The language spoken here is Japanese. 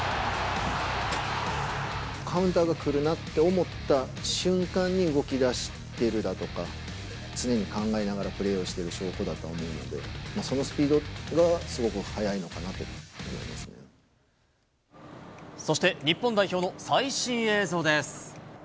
カウンターが来るなって思った瞬間に動きだしてるだとか、常に考えながらプレーをしてる証拠だと思うので、そのスピードがそして、日本代表の最新映像です。